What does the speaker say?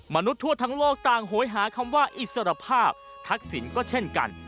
ทั่วทั้งโลกต่างโหยหาคำว่าอิสรภาพทักษิณก็เช่นกัน